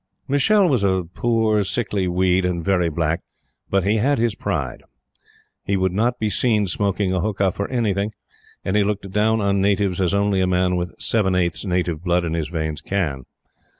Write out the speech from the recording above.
Michele was a poor, sickly weed and very black; but he had his pride. He would not be seen smoking a huqa for anything; and he looked down on natives as only a man with seven eighths native blood in his veins can.